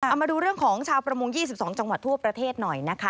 เอามาดูเรื่องของชาวประมง๒๒จังหวัดทั่วประเทศหน่อยนะคะ